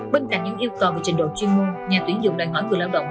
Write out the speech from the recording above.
bên cạnh những yêu cầu về trình độ chuyên môn nhà tuyển dụng đòi hỏi người lao động